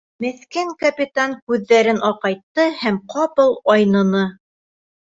Меҫкен капитан күҙҙәрен аҡайтты һәм ҡапыл айныны.